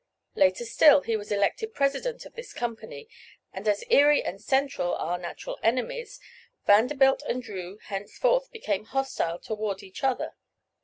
Later still he was elected President of this company, and as Erie and Central are natural enemies, Vanderbilt and Drew henceforth became hostile toward each other.